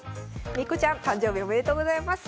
めいっ子ちゃん誕生日おめでとうございます。